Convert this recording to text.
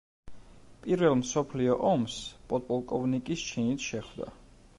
პირველ მსოფლიო ომს პოდპოლკოვნიკის ჩინით შეხვდა.